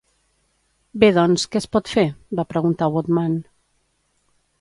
Bé, doncs, què es pot fer? va preguntar Woodman.